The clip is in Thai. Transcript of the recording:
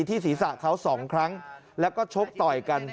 ที่ศีรษะเขาสองครั้งแล้วก็ชกต่อยกัน